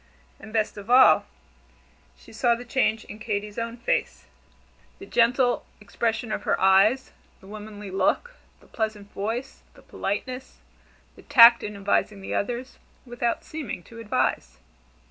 And best of all, she saw the change in Katy's own face: the gentle expression of her eyes, the womanly look, the pleasant voice, the politeness, the tact in advising the others, without seeming to advise.